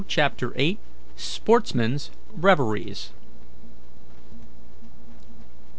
CHAPTER VIII. SPORTSMEN'S REVERIES.